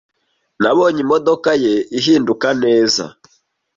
Nabonye imodoka ye ihinduka neza.